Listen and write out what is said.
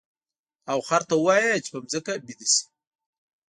او خر ته ووایه چې په ځمکه ویده شي.